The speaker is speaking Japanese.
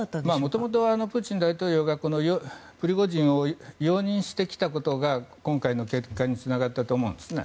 もともとはプーチン大統領がプリゴジンを容認してきたことが今回の結果につながったと思うんですね。